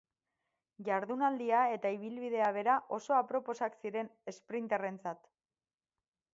Jardunaldia eta ibilbidea bera oso aproposak ziren esprinterrentzat.